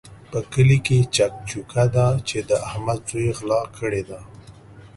په کلي کې چک چوکه ده چې د احمد زوی غلا کړې ده.